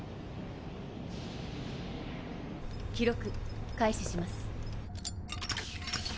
記録開始します。